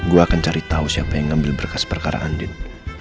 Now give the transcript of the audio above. gue akan cari tahu siapa yang ngambil berkas perkara andin